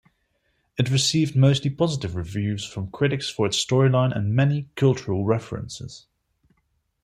It received mostly positive reviews from critics for its storyline and many cultural references.